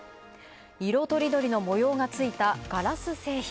色とりどりの模様がついた、ガラス製品。